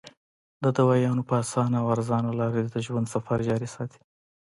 د دوايانو پۀ اسانه او ارزانه لار دې د ژوند سفر جاري ساتي -